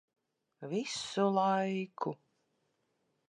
Visu laiku.